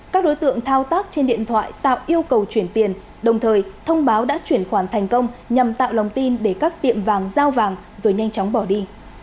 các đối tượng thao tác trên điện thoại tạo yêu cầu chuyển tiền đồng thời thông báo đã chuyển khoản thành công nhằm tạo lòng tin để các tiệm vàng giao vàng rồi nhanh chóng bỏ đi